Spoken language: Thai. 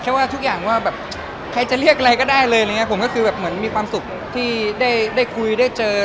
แค่ว่าทุกอย่างว่าใครจะเรียกอะไรก็ได้เลยผมก็คือเหมือนมีความสุขที่ได้คุยได้เจอ